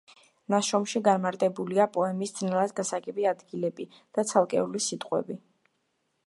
ნაშრომში განმარტებულია პოემის ძნელად გასაგები ადგილები და ცალკეული სიტყვები.